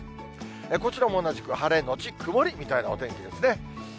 こちらも同じく晴れ後曇りみたいなお天気ですね。